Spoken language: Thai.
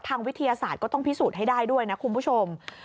วิทยาศาสตร์ก็ต้องพิสูจน์ให้ได้ด้วยนะคุณผู้ชม